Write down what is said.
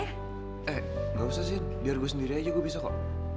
eh gak usah sih biar gue sendiri aja gue bisa kok